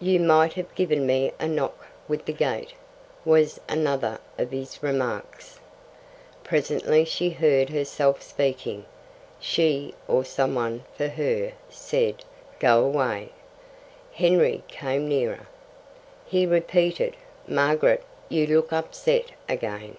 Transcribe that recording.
"You might have given me a knock with the gate," was another of his remarks. Presently she heard herself speaking. She, or someone for her, said "Go away." Henry came nearer. He repeated, "Margaret, you look upset again.